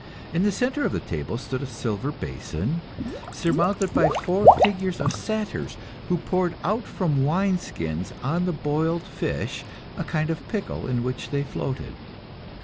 In the centre of the table stood a silver basin, surmounted by four figures of satyrs, who poured out from wine skins on the boiled fish a kind of pickle in which they floated.